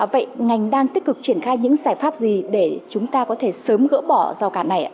vậy ngành đang tích cực triển khai những giải pháp gì để chúng ta có thể sớm gỡ bỏ rào cản này ạ